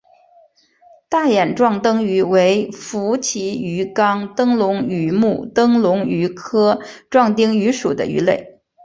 大眼壮灯鱼为辐鳍鱼纲灯笼鱼目灯笼鱼科壮灯鱼属的鱼类。